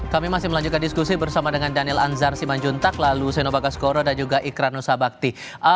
kami masih melanjutkan diskusi bersama dengan daniel anzar simanjuntak lalu senobaga skoro dan juga ikran nusabakti